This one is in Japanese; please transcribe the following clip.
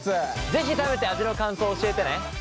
是非食べて味の感想を教えてね。